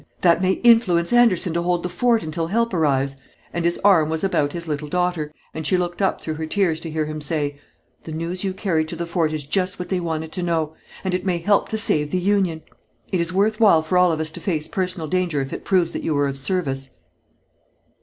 That may influence Anderson to hold the fort until help arrives," and his arm was about his little daughter, and she looked up through her tears to hear him say: "The news you carried to the fort is just what they wanted to know. And it may help to save the Union. It is worth while for us all to face personal danger if it proves that you were of service."